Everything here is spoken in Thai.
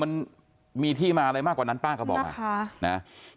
มันมีที่มาอะไรมากกว่านั้นป้าก็บอกมานะ